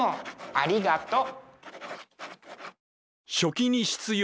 ありがとう。